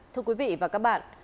thưa quý vị và các bạn